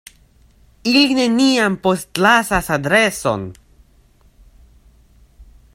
Ili neniam postlasas adreson?